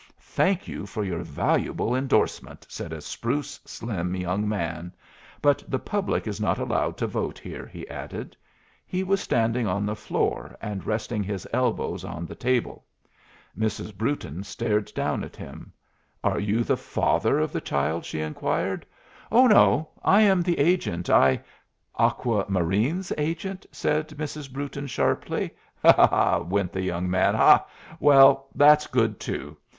"Thank you for your valuable endorsement," said a spruce, slim young man. "But the public is not allowed to vote here," he added. He was standing on the floor and resting his elbows on the table. Mrs. Brewton stared down at him. "Are you the father of the child?" she inquired. "Oh no! I am the agent. I " "Aqua Marine's agent?" said Mrs. Brewton, sharply. "Ha, ha!" went the young man. "Ha, ha! Well, that's good too.